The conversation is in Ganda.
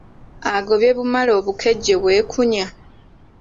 Agobye bumale, obukejje bwekunya.